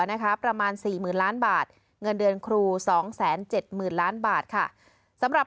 นะคะประมาณ๔๐๐๐๐บาทเงินเดือนครู๒๗๐๐๐๐บาทค่ะสำหรับ